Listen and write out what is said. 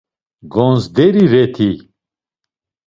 Gonzderi reti?